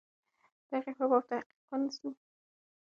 د هغې په باب تحقیق ونسو.